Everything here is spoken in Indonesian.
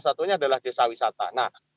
satunya adalah desa wisata nah